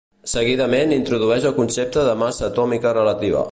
Seguidament introdueix el concepte de massa atòmica relativa.